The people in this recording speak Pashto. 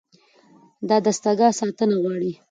دا دستګاه ساتنه غواړي.